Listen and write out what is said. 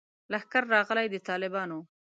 لښکر راغلی د طالبانو